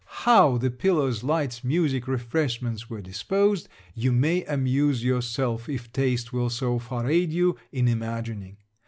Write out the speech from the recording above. How the pillars, lights, music, refreshments were disposed, you may amuse yourself, if taste will so far aid you, in imagining.